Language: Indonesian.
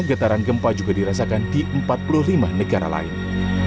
getaran gempa juga dirasakan di empat puluh lima negara lain